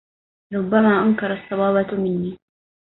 ربما أنكر الصبابة مني